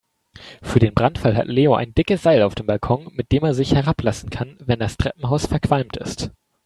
Für den Brandfall hat Leo ein dickes Seil auf dem Balkon, mit dem er sich herablassen kann, wenn das Treppenhaus verqualmt ist.